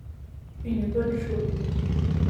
une bonne chose.